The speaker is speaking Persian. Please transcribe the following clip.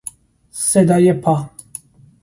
صدای پا